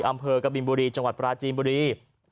อำเภอกบินบุรีจังหวัดปราจีนบุรี